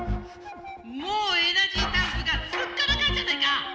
もうエナジータンクがスッカラカンじゃないか！